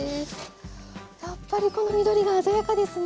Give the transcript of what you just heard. やっぱりこの緑が鮮やかですね。